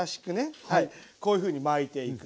こういうふうに巻いていく。